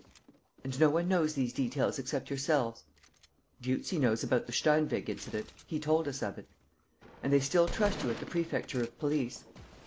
... "And no one knows these details except yourselves?" "Dieuzy knows about the Steinweg incident: he told us of it." "And they still trust you at the Prefecture of Police?"